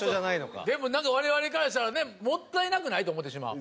でもなんか我々からしたらねもったいなくない？と思ってしまう。